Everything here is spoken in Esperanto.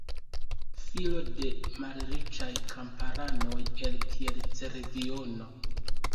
Filo de malriĉaj kamparanoj el Kielce-regiono.